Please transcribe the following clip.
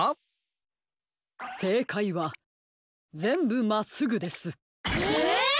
せいかいはぜんぶまっすぐです。え！